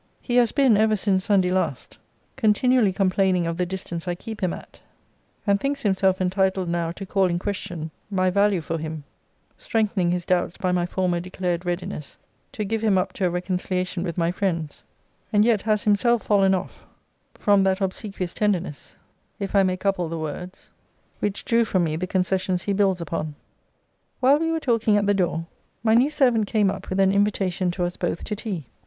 He has been ever since Sunday last continually complaining of the distance I keep him at; and thinks himself entitled now to call in question my value for him; strengthening his doubts by my former declared readiness to give him up to a reconciliation with my friends; and yet has himself fallen off from that obsequious tenderness, if I may couple the words, which drew from me the concessions he builds upon. While we were talking at the door, my new servant came up with an invitation to us both to tea.